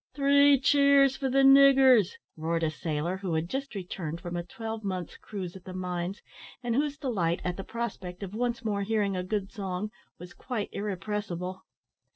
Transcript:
"Three cheers for the niggers!" roared a sailor, who had just returned from a twelvemonth's cruise at the mines, and whose delight at the prospect of once more hearing a good song was quite irrepressible.